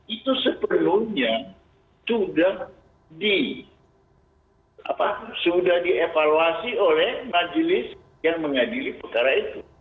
itu sepenuhnya sudah dievaluasi oleh majelis yang mengadili putara itu